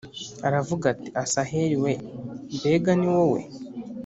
aravuga ati “Asaheli we, mbega ni wowe?”